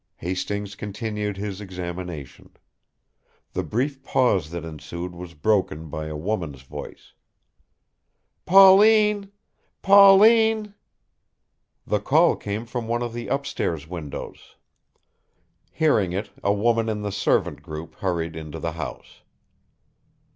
Hastings continued his examination. The brief pause that ensued was broken by a woman's voice: "Pauline! Pauline!" The call came from one of the upstairs windows. Hearing it, a woman in the servant group hurried into the house.